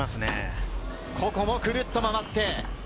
ここもクルッと回って。